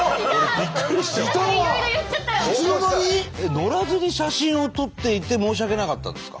乗らずに写真を撮っていて申し訳なかったんですか？